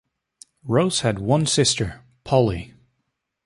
Rose had one sister, Polly.